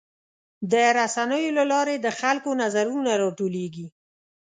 د رسنیو له لارې د خلکو نظرونه راټولیږي.